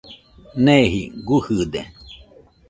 Neeji gujɨde.